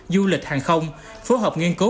du lịch hàng không phố học nghiên cứu